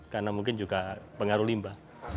karena mungkin juga pengaruh limba